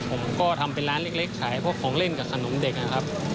ผมก็ทำเป็นร้านเล็กขายของเล่นกับขนมเด็ก